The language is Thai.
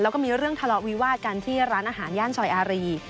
แล้วก็มีเรื่องทะเลาะวิวาดกันที่ร้านอาหารย่านซอยอารี